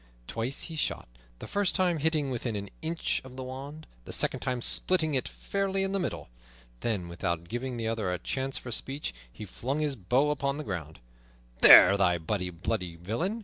Twice he shot, the first time hitting within an inch of the wand, the second time splitting it fairly in the middle. Then, without giving the other a chance for speech, he flung his bow upon the ground. "There, thou bloody villain!"